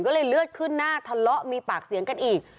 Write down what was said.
ก็เลยเลือดขึ้นหน้าทะเลาะมีปากเสียงกันอีก